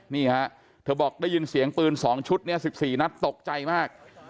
นี่ฮะเธอบอกได้ยินเสียงปืน๒ชุดนี้๑๔นัดตกใจมาก